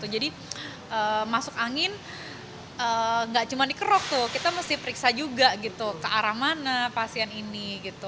jadi masuk angin gak cuma dikerok kita mesti periksa juga ke arah mana pasien ini